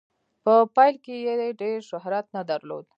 په پیل کې یې ډیر شهرت نه درلود.